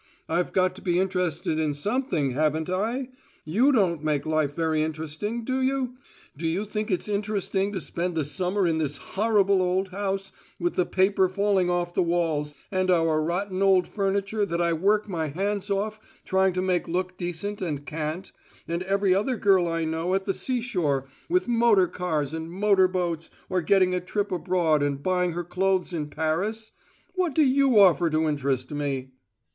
I've got to be interested in something, haven't I? You don't make life very interesting, do you? Do you think it's interesting to spend the summer in this horrible old house with the paper falling off the walls and our rotten old furniture that I work my hands off trying to make look decent and can't, and every other girl I know at the seashore with motor cars and motor boats, or getting a trip abroad and buying her clothes in Paris? What do you offer to interest me?"